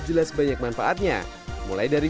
jelas banyak manfaatnya mulai dari